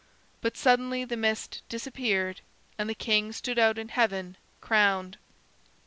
But suddenly the mist disappeared and the king stood out in heaven, crowned.